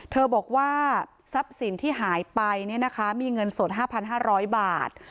บอกว่าทรัพย์สินที่หายไปมีเงินสด๕๕๐๐บาท